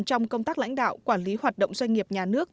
trong công tác lãnh đạo quản lý hoạt động doanh nghiệp nhà nước